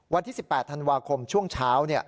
วันที่๑๘ธันวาคมช่วงเช้า